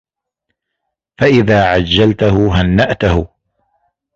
فَإِذَا عَجَّلْتَهُ هَنَّأْتَهُ